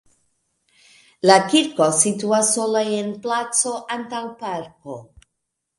La kirko situas sola en placo antaŭ parko.